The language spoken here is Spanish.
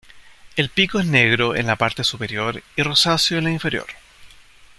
El pico es negro en la parte superior y rosáceo en la inferior.